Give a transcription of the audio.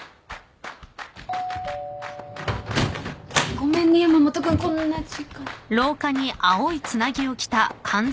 ごめんね山本君こんな時間。